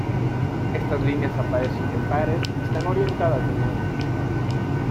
Estas líneas aparecen en pares y están orientadas en ángulo.